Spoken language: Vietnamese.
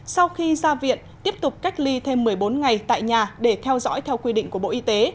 sau khi ra viện tiếp tục cách ly thêm một mươi bốn ngày tại nhà để theo dõi theo quy định của bộ y tế